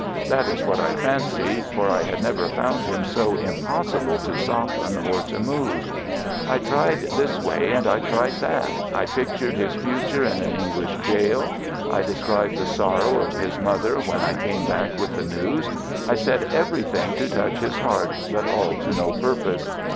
That is what I fancy, for I had never found him so impossible to soften or to move. I tried this way and I tried that; I pictured his future in an English gaol; I described the sorrow of his mother when I came back with the news; I said everything to touch his heart, but all to no purpose.